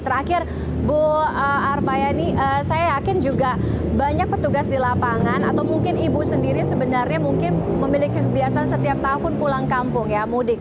terakhir bu arpayani saya yakin juga banyak petugas di lapangan atau mungkin ibu sendiri sebenarnya mungkin memiliki kebiasaan setiap tahun pulang kampung ya mudik